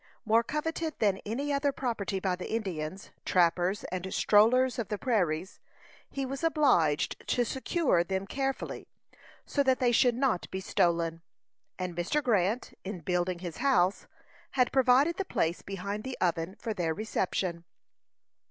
More coveted than any other property by the Indians, trappers and strollers of the prairies, he was obliged to secure them carefully, so that they should not be stolen; and Mr. Grant, in building his house, had provided the place behind the oven for their reception.